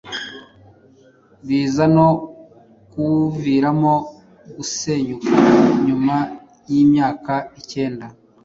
biza no kuwuviramo gusenyuka nyuma y’imyaka icyenda